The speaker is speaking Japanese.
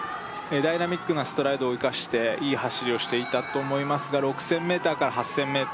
ダイナミックなストライドを生かしていい走りをしていたと思いますが６０００ｍから８０００ｍ